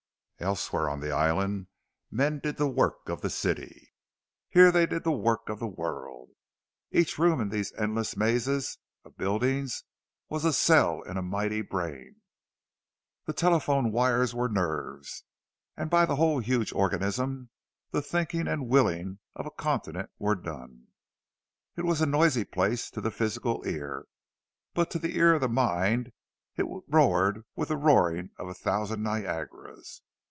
Elsewhere on the island men did the work of the city; here they did the work of the world. Each room in these endless mazes of buildings was a cell in a mighty brain; the telephone wires were nerves, and by the whole huge organism the thinking and willing of a continent were done. It was a noisy place to the physical ear; but to the ear of the mind it roared with the roaring of a thousand Niagaras.